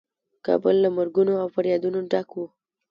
کابل له مرګونو او فریادونو ډک و.